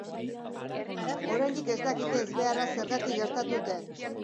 Oraindik ez dakite ezbeharra zergatik gertatu den.